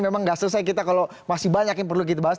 memang nggak selesai kita kalau masih banyak yang perlu kita bahas